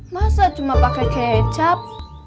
masa cuma pakai kecap